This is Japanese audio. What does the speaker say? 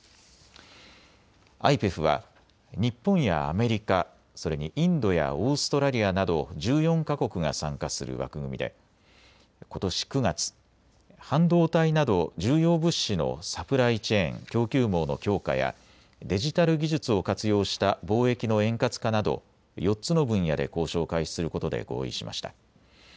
ＩＰＥＦは日本やアメリカ、それにインドやオーストラリアなど１４か国が参加する枠組みで、ことし９月、半導体など重要物資のサプライチェーン・供給網の強化やデジタル技術を活用した貿易の円滑化など４つの分野で交渉を開始することで合意しました。